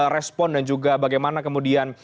respon dan juga bagaimana kemudian